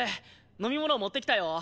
飲み物持ってきたよ。